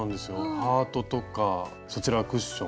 ハートとかそちらクッション。